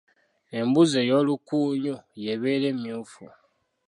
Embuzi ey'olukunyu y'ebeera emyufu.